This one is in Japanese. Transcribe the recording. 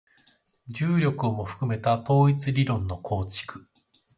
重力をも含めた統一理論の構築